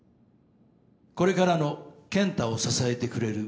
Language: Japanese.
これからの健太を支えてくれる。